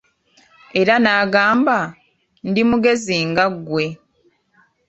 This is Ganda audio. Era n'agamba, ndi mugezi nga ggwe.